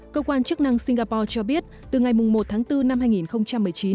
cơ quan chức năng singapore cho biết từ ngày một tháng bốn năm hai nghìn một mươi chín